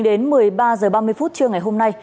đến một mươi ba h ba mươi phút trưa ngày hôm nay